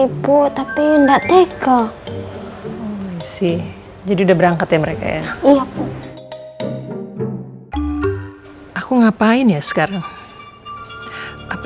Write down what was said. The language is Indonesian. ibu tapi enggak teka sih jadi udah berangkat ya mereka ya iya aku ngapain ya sekarang apa